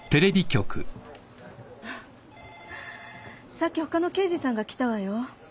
さっきほかの刑事さんが来たわよ。